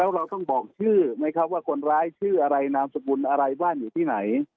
เราต้องบอกชื่อไหมครับว่าคนร้ายชื่ออะไรนามสกุลอะไรบ้านอยู่ที่ไหน